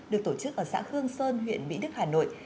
được tổ chức ở xã khương sơn huyện mỹ đức hà nội